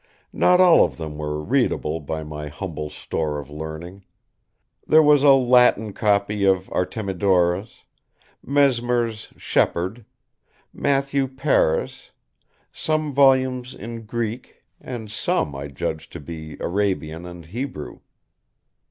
Not all of them were readable by my humble store of learning. There was a Latin copy of Artemidorus, Mesmer's "Shepherd," Mathew Paris, some volumes in Greek, and some I judged to be Arabian and Hebrew.